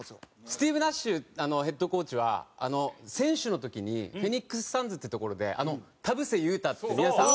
スティーブ・ナッシュヘッドコーチは選手の時にフェニックス・サンズってところであの田臥勇太って皆さん。